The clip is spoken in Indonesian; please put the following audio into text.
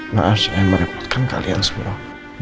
maaf saya merepotkan kalian semua